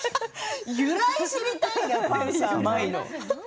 由来を知りたいなパンサー舞の。